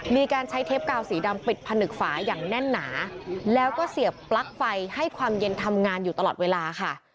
มีการใช้เทปกาวสีดำปิดผนึกฝาอย่างแน่นหนาแล้วก็เสียบปลั๊กไฟให้ความเย็นทำงานอยู่ตลอดเวลาค่ะ